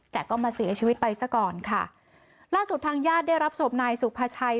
แต่ก็มาเสียชีวิตไปซะก่อนค่ะล่าสุดทางญาติได้รับศพนายสุภาชัย